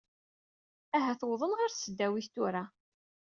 Ahat wwḍen ɣer tesdawit tura.